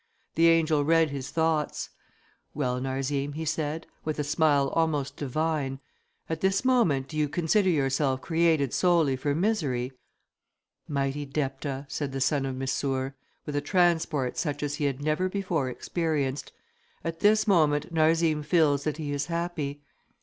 The angel read his thoughts. "Well, Narzim," he said, with a smile almost divine, "at this moment do you consider yourself created solely for misery?" "Mighty Depta," said the son of Missour, with a transport such as he had never before experienced, "at this moment Narzim feels that he is happy."